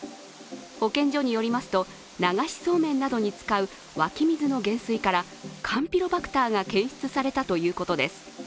保健所によりますと流しそうめんなどに使う湧き水の源水からカンピロバクターが検出されたということです